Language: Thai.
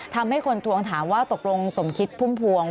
ทำให้คนทวงถามว่าตกลงสมคิดพุ่มพวง